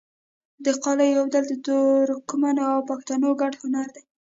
د قالیو اوبدل د ترکمنو او پښتنو ګډ هنر دی.